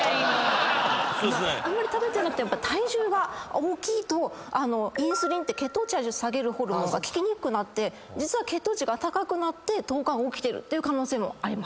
あんまり食べてなくても体重が大きいとインスリンって血糖値を下げるホルモンが効きにくくなって実は血糖値が高くなって糖化が起きてるって可能性もあります。